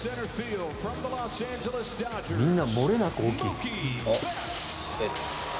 みんなもれなく大きい。